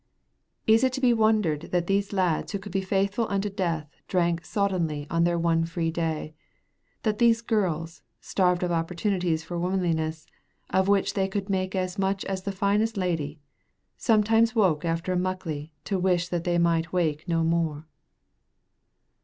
Is it to be wondered that these lads who could be faithful unto death drank soddenly on their one free day; that these girls, starved of opportunities for womanliness, of which they could make as much as the finest lady, sometimes woke after a Muckley to wish that they might wake no more?